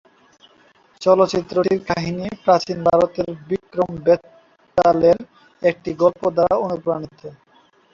চলচ্চিত্রটির কাহিনী প্রাচীন ভারতের বিক্রম-বেতালের একটি গল্প দ্বারা অনুপ্রাণিত।